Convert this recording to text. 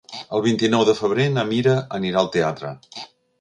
El vint-i-nou de febrer na Mira anirà al teatre.